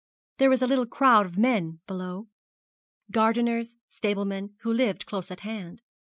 There was a little crowd of men below gardeners, stablemen, who lived close at hand.